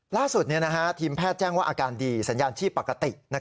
ล่าสุดทีมแพทย์แจ้งว่าอาการดีสัญญาณชีพปกติ